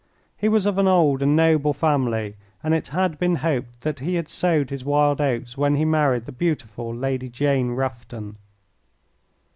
He was of an old and noble family, and it had been hoped that he had sowed his wild oats when he married the beautiful Lady Jane Rufton.